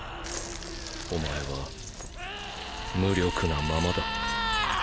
お前は無力なままだ。